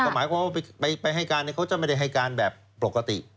หมายความว่าไปให้การเขาจะไม่ได้ให้การแบบปกติ